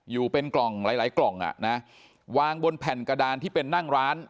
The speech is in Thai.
อยู่เป็นกล่องหลายหลายกล่องอ่ะนะวางบนแผ่นกระดานที่เป็นนั่งร้าน